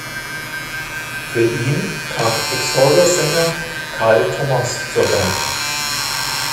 Für ihn kam Exhorder-Sänger Kyle Thomas zur Band.